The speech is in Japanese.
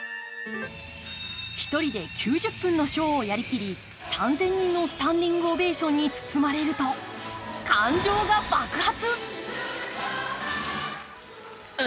１人で９０分のショーをやりきり、３０００人のスタンディングオベーションに包まれると、感情が爆発。